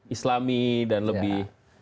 islami dan lebih